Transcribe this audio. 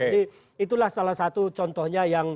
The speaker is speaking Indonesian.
jadi itulah salah satu contohnya yang